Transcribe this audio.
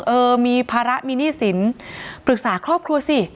เออมีภาระมีหนี้สินปรึกษาครอบครัวสิ